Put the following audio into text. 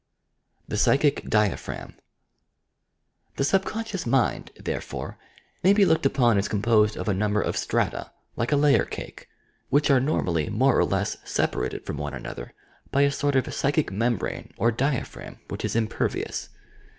I THE SUBCONSCIOUS 35 V THE PSYCHIC DIAPHRAGM The siibeonacious mind, therefore, may be looked upon as composed of a number of strata, like a layer cake, which are, normally, more or less separated from one another by a sort of psychic membrane or "diaphragm" which is impervious.